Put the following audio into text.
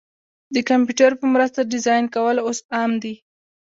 د کمپیوټر په مرسته ډیزاین کول اوس عام دي.